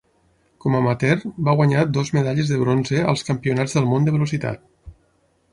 Com amateur, va guanyar dues medalles de bronze als Campionats del món de velocitat.